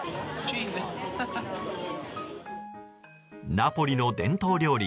ナポリの伝統料理